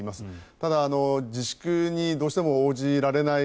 ただ、自粛にどうしても応じられない。